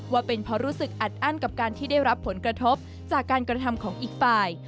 ว่าเป็นเพราะรู้สึกอัดอั้นกับการที่ได้รับผลกระทบจากการกระทำของอีกฝ่าย